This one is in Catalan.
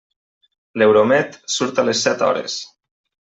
L'Euromed surt a les set hores.